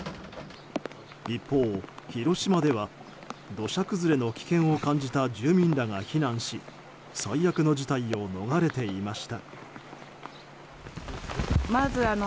一方、広島では土砂崩れの危険を感じた住民らが避難し最悪の事態を逃れていました。